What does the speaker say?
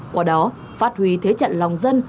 qua đó phát huy thế trận lòng dân